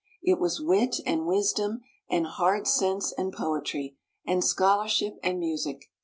It was wit and wisdom, and hard sense and poetry, and scholarship and music.